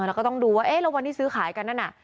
เราก็ต้องดูว่าเอ๊ะแล้ววันที่ซื้อขายกันนั่นน่ะ